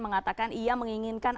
mengatakan ia menginginkan